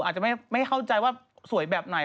อาจจะไม่เข้าใจว่าสวยแบบไหน